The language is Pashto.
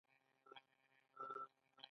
دوی ترمنځ کوچني توپیرونه ژور شول.